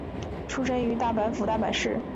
出身于大阪府大阪市。